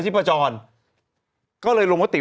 ดื่มน้ำก่อนสักนิดใช่ไหมคะคุณพี่